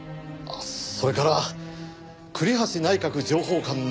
それから栗橋内閣情報官の逮捕状